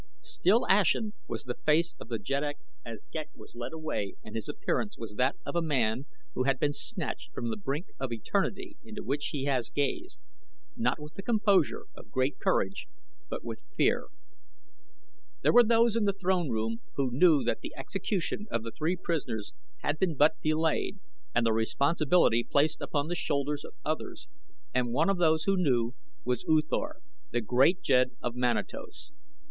Still ashen was the face of the jeddak as Ghek was led away and his appearance was that of a man who had been snatched from the brink of eternity into which he has gazed, not with the composure of great courage, but with fear. There were those in the throne room who knew that the execution of the three prisoners had but been delayed and the responsibility placed upon the shoulders of others, and one of those who knew was U Thor, the great jed of Manatos.